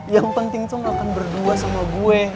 yang penting tuh nggak akan berdua sama gue